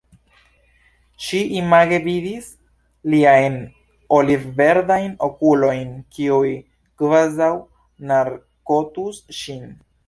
Ŝi image vidis liajn olivverdajn okulojn, kiuj kvazaŭ narkotus ŝin.